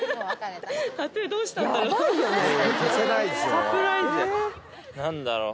サプライズで何だろう？